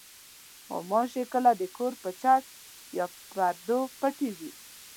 غوماشې کله د کور په چت یا پردو پټې وي.